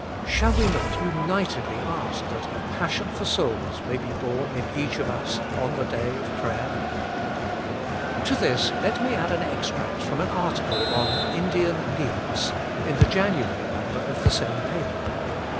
Shall we not unitedly ask that A Passion for Souls may be borne in each of us on the day of prayer ?'' To this let me add an extract from an article on " Indian Needs," in the January number of the same paper.